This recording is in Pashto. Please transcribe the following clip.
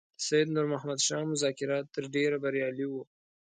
د سید نور محمد شاه مذاکرات تر ډېره بریالي وو.